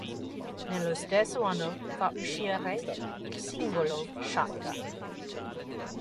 Nello stesso anno fa uscire il singolo "Shotgun".